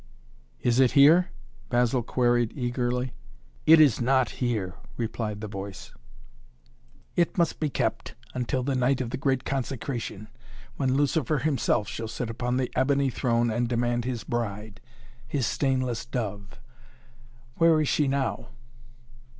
"Is it here?" Basil queried eagerly. "It is not here," replied the voice. "It must be kept until the night of the great consecration, when Lucifer himself shall sit upon the ebony throne and demand his bride his stainless dove. Where is she now?"